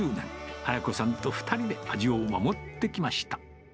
あや子さんと２人で味を守ってきました。